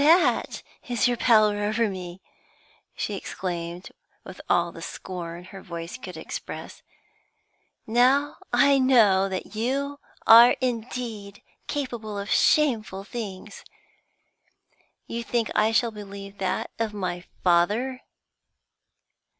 'That is your power over me!' she exclaimed, with all the scorn her voice could express. 'Now I know that you are indeed capable of shameful things. You think I shall believe that of my father?'